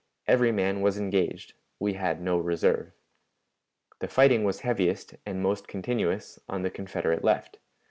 Every man was engaged. We had no reserve. "The fighting was heaviest and most continuous on the Confederate left.